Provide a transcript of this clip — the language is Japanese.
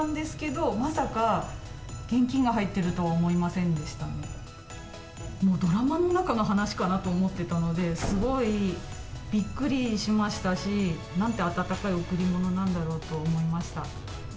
もうドラマの中の話かなと思ってたので、すごいびっくりしましたし、なんて温かい贈り物なんだろうと思いました。